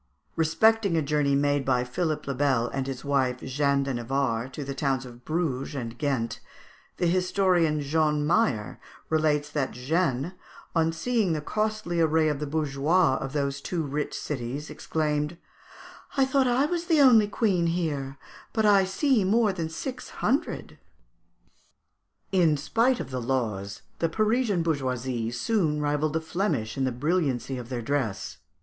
Respecting a journey made by Philippe le Bel and his wife Jeanne de Navarre to the towns of Bruges and Ghent, the historian Jean Mayer relates that Jeanne, on seeing the costly array of the bourgeois of those two rich cities, exclaimed, "I thought I was the only queen here, but I see more than six hundred!" In spite of the laws, the Parisian bourgeoisie soon rivalled the Flemish in the brilliancy of their dress.